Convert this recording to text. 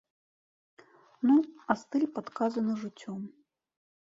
Ну, а стыль падказаны жыццём.